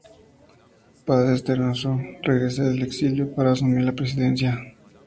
Paz Estenssoro regresa del exilio para asumir la Presidencia.